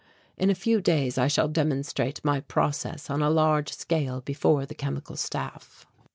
In a few days I shall demonstrate my process on a large scale before the Chemical Staff.